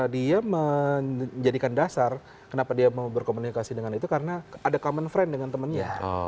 dia menjadikan dasar kenapa dia mau berkomunikasi dengan itu karena ada common friend dengan temennya